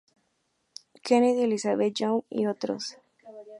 Kennedy, Elizabeth Young y otros.